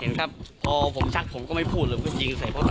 เห็นครับพอผมชักผมก็ไม่พูดเลยมันก็ยิงใส่เท้าตา